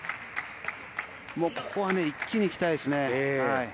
ここは一気に行きたいですね。